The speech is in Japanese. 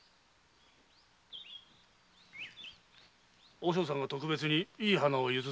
和尚さんが特別にいい花を譲ってくれたよ。